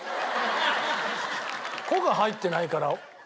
「子」が入ってないから。